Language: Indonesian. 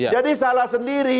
jadi salah sendiri